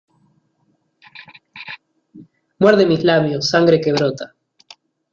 Muerde mis labios. Sangre que brota.